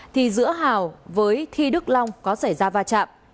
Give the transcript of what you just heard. thì giữa hào với thi đức long có xảy ra va chạm